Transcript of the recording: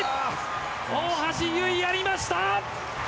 大橋悠依、やりました！